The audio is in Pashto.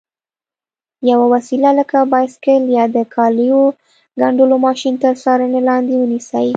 یوه وسیله لکه بایسکل یا د کالیو ګنډلو ماشین تر څارنې لاندې ونیسئ.